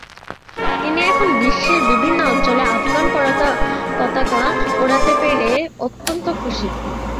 তিনি এখন বিশ্বের বিভিন্ন অঞ্চলে আফগান পতাকা ওড়াতে পেরে অত্যন্ত খুশি।